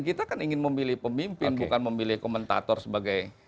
kita kan ingin memilih pemimpin bukan memilih komentator sebagai